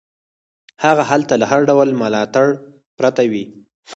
هغه هلته له هر ډول ملاتړ پرته وي.